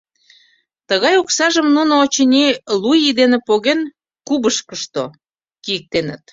Тыгай оксажым нуно, очыни, лу ий дене поген, кубышкышто кийыктеныт...